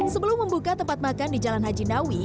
sebelum membuka tempat makan di jalan haji nawi